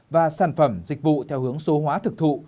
và sản phẩm dịch vụ theo hướng số hóa thực thụ